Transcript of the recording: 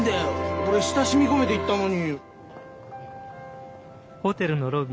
俺親しみ込めて言ったのに。